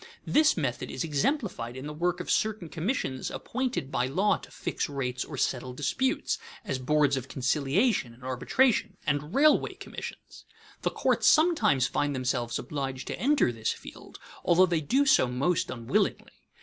This method is exemplified in the work of certain commissions appointed by law to fix rates or settle disputes, as boards of conciliation and arbitration and railway commissions. The courts sometimes find themselves obliged to enter this field, although they do so most unwillingly.